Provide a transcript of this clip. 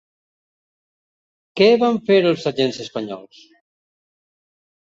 Què van fer els agents espanyols?